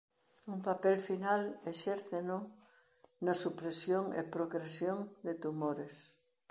Un papel final exérceno na supresión e progresión de tumores.